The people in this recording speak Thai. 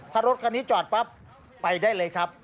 ถ้ารถคันนี้จอดปั๊บไปได้เลยครับ